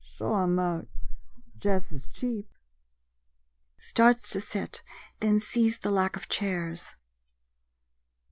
White Sure I mought — jes' as cheap. [Starts to sit, then sees the lack of chairs.